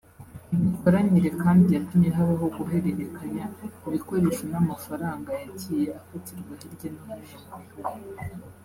Iyi mikoranire kandi yatumye habaho guhererekanya ibikoresho n’amafaranga yagiye afatirwa hirya no hino mu bihugu